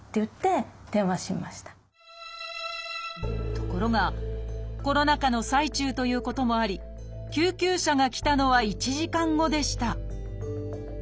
ところがコロナ禍の最中ということもあり救急車が来たのは１時間後でした